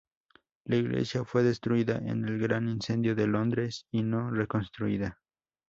La iglesia fue destruida en el Gran Incendio de Londres y no reconstruida.